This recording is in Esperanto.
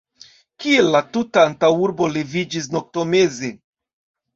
Kial la tuta antaŭurbo leviĝis noktomeze?